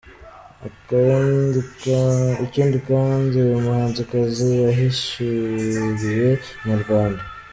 Ikindi kandi uyu muhanzikazi yahishuriye Inyarwanda.